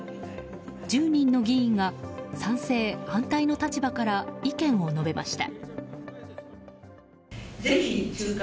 １０人の議員が賛成、反対の立場から意見を述べました。